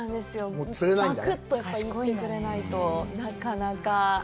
パクッといってくれないと、なかなか。